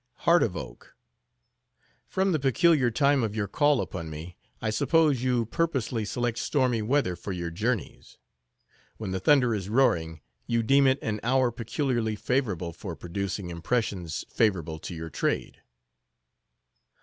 "Heart of oak. From the peculiar time of your call upon me, I suppose you purposely select stormy weather for your journeys. When the thunder is roaring, you deem it an hour peculiarly favorable for producing impressions favorable to your trade."